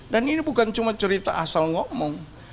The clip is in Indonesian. dan ini bukan cuma cerita asal ngomong